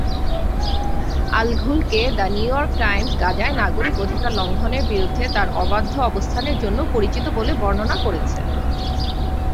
আল-ঘুলকে the New York Times "গাজায় নাগরিক অধিকার লঙ্ঘনের বিরুদ্ধে তার অবাধ্য অবস্থানের জন্য পরিচিত" বলে বর্ণনা করেছে।